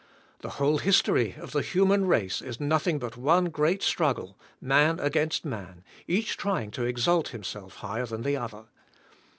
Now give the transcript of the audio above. The whole history of the human race is nothing but one great struggle, man against man, each trying to exalt himself higher than the other.